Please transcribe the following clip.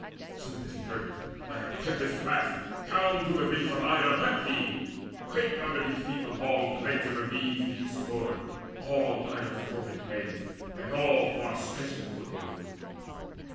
Soon as he heard it, like a tempest blast Down to the ridges of Ida leapt he: quaked Under his feet the long glens and ravines Deep scored, all Ida's torrent beds, and all Far stretching foot hills.